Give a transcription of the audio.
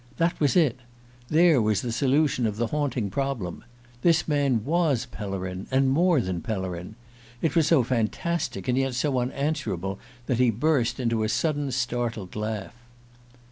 That was it there was the solution of the haunting problem! This man was Pellerin, and more than Pellerin! It was so fantastic and yet so unanswerable that he burst into a sudden startled laugh.